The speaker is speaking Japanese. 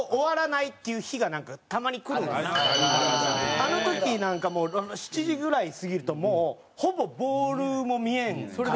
あの時なんかもう夜７時ぐらい過ぎるともうほぼボールも見えんから。